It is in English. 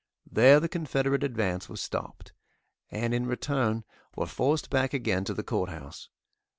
There the Confederate advance was stopped, and in return, were forced back again to the Courthouse.